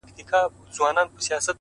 • پر دا خپله خرابه مېنه مین یو,